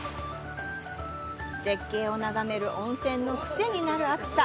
絶景を眺める温泉の癖になる熱さ。